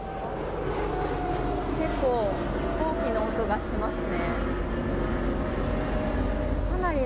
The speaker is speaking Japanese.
結構大きな音がしますね。